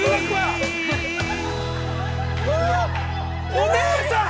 ◆お姉さん！